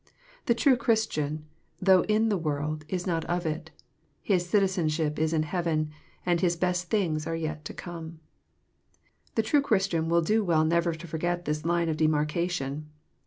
The tine Christian, though in the world, is not of it ; his citizenship is in heaven, and his beist things are yet to come. The true Christian will do well never to forget this line of demarcation.